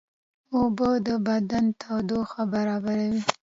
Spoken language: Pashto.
اوبه د بدن تودوخه برابروي